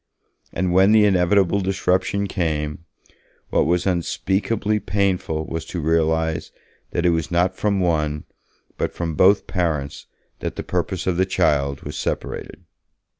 And when the inevitable disruption came, what was unspeakably painful was to realize that it was not from one, but from both parents that the purpose of the child was separated.